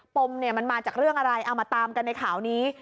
ปมเนี่ยมันมาจากเรื่องอะไรเอามาตามกันในข่าวนี้